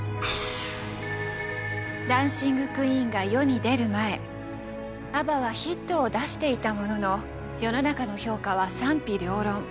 「ダンシング・クイーン」が世に出る前ＡＢＢＡはヒットを出していたものの世の中の評価は賛否両論。